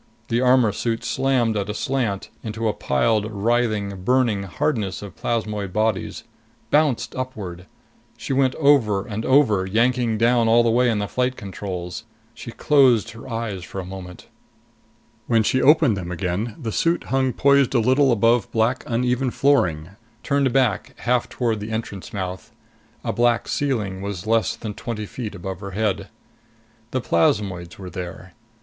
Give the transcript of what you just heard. The armor suit slammed at a slant into a piled, writhing, burning hardness of plasmoid bodies, bounced upward. She went over and over, yanking down all the way on the flight controls. She closed her eyes for a moment. When she opened them again, the suit hung poised a little above black uneven flooring, turned back half toward the entrance mouth. A black ceiling was less than twenty feet above her head. The plasmoids were there.